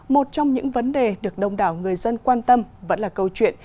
một trong những vấn đề được đông đảo người dân quan tâm vẫn là câu chuyện